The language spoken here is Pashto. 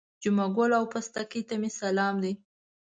جمعه ګل او پستکي ته مې سلام دی.